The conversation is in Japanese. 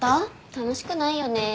楽しくないよね。